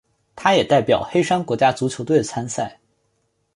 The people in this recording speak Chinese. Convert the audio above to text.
他也代表黑山国家足球队参赛。